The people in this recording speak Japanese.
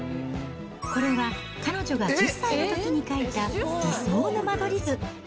これは、彼女が１０歳のときに描いた、理想の間取り図。